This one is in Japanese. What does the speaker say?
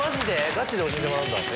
ガチで教えてもらうんだ。